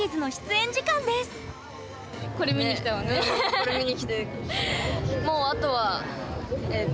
これ見に来て。